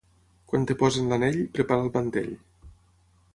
Quan et posen l'anell, prepara el mantell.